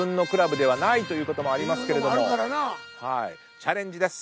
チャレンジです。